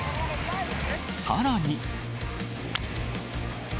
さらに。